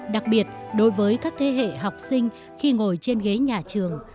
đặc biệt đối với các thế hệ học sinh khi ngồi trên ghế nhà trường